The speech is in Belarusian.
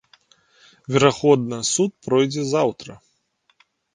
Верагодна, суд пройдзе заўтра.